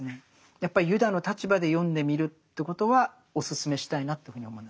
やっぱりユダの立場で読んでみるということはお勧めしたいなというふうに思います。